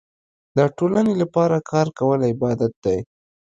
د ټولنې لپاره کار کول عبادت دی.